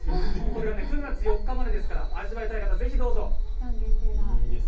これが９月４日までですから、味わいたい方、どうぞ。